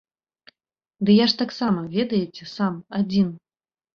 Ды я ж таксама, ведаеце, сам, адзін.